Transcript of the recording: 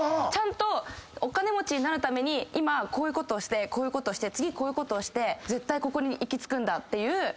ちゃんとお金持ちになるために今こういうことをしてこういうことして次こうして絶対ここに行き着くんだと。